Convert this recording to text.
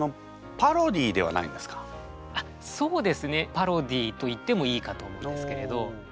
パロディーと言ってもいいかと思うんですけれど。